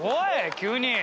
急に。